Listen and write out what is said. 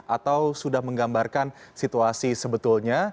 atau sudah menggambarkan situasi sebetulnya